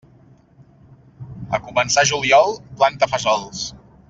A començar juliol, planta fesols.